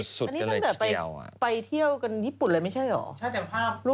อันนี้ตั้งแต่ไปเที่ยวกันญี่ปุ่นเลยไม่ใช่เหรอ